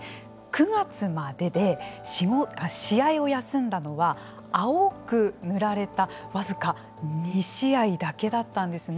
９月までで試合を休んだのは青く塗られた僅か２試合だけだったんですね。